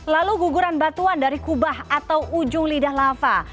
lalu guguran batuan dari kubah atau ujung lidah lava